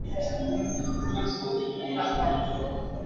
এমনিতে দুজনের সম্পর্ক বেশ ভালোই ছিল, কিন্তু লাপোর্তা ছিলেন খেয়ালি প্রকৃতির।